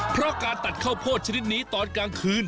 เพราะการตัดข้าวโพดชนิดนี้ตอนกลางคืน